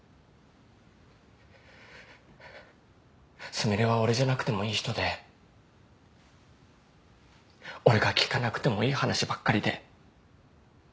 純恋は俺じゃなくてもいい人で俺が聞かなくてもいい話ばっかりで。